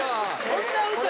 そんな歌？